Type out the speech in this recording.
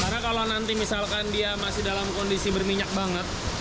karena kalau nanti misalkan dia masih dalam kondisi berminyak banget